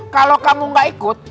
kalau kamu gak ikut